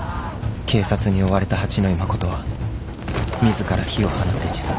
［警察に追われた八野衣真は自ら火を放って自殺］